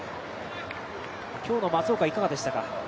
今日の松岡、いかがでしたか。